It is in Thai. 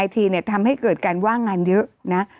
ทีทำให้เกิดการว่างงานเยอะนะ